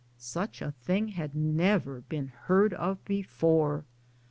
Such a thing had never been heard of before.